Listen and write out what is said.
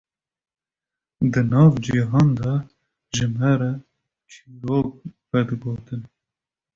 di nav cihan de ji me re çîrok vedigotin